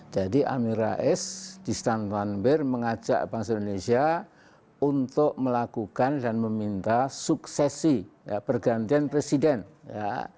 jadi amin rais di stand tanbir mengajak bangsa indonesia untuk melakukan dan meminta suksesi ya pergantian presiden ya